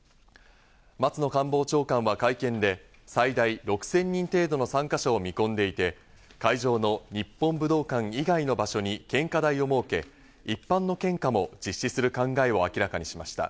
松野官房長官は会見で、最大６０００人程度の参加者を見込んでいて、会場の日本武道館以外の場所に献花台を設け、一般の献花も実施する考えを明らかにしました。